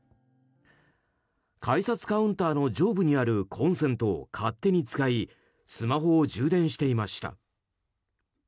改札カウンターの上部にあるコンセントを勝手に使いスマホを充電していました。